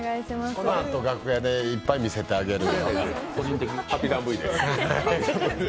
このあと楽屋でいっぱい見せてあげるよ。